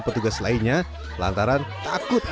petugas lainnya lantaran takut